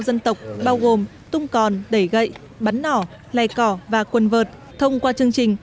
dân tộc bao gồm tung còn đẩy gậy bắn nỏ lè cỏ và quần vợt thông qua chương trình